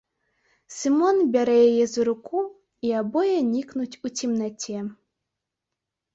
Сымон бярэ яе за руку, і абое нікнуць у цемнаце.